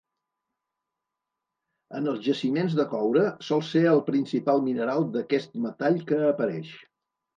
En els jaciments de coure sol ser el principal mineral d'aquest metall que apareix.